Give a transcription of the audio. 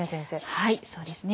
はいそうですね。